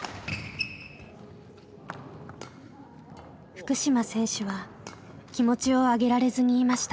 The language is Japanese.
福島選手は気持ちを上げられずにいました。